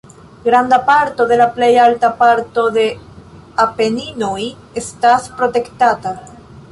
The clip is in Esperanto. Granda parto de la plej alta parto de Apeninoj estas protektata.